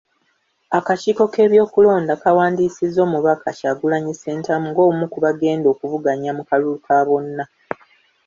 Akakiiko k'ebyokulonda kawandiisizza Omubaka Kyagulanyi Ssentamu ng'omu ku bagenda okuvuganya mu kalulu ka bonna